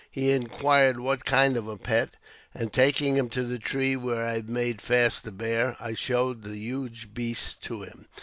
He inquired what kind of a pet, and, taking him to the tree where I had made fast the bear, I showed the huge beast to him.